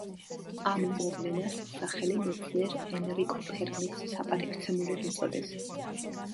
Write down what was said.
ამ მოვლენას სახელი მეცნიერ ენრიკო ფერმის საპატივცემლოდ უწოდეს.